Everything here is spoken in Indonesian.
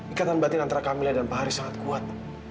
ikatan batin antara kamil dan pak haris sangat kuat